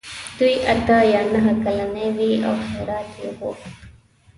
دوی اته یا نهه کلنې وې او خیرات یې غوښت.